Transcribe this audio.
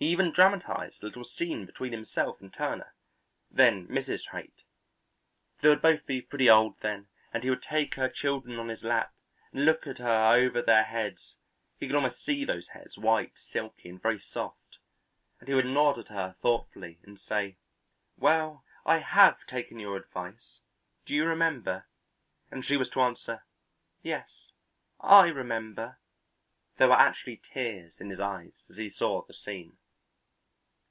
He even dramatized a little scene between himself and Turner, then Mrs. Haight. They would both be pretty old then and he would take her children on his lap and look at her over their heads he could almost see those heads, white, silky and very soft and he would nod at her thoughtfully, and say, "Well, I have taken your advice, do you remember?" and she was to answer, "Yes, I remember." There were actually tears in his eyes as he saw the scene.